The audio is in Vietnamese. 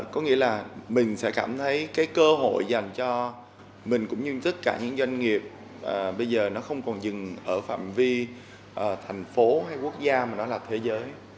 có nghĩa là mình sẽ cảm thấy cái cơ hội dành cho mình cũng như tất cả những doanh nghiệp bây giờ nó không còn dừng ở phạm vi thành phố hay quốc gia mà nó là thế giới